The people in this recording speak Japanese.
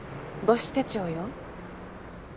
母子手帳よ。